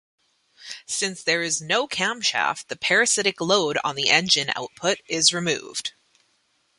Since there is no camshaft, the parasitic load on the engine output is removed.